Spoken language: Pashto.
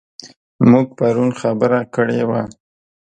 موږ پرون خبره کړې وه.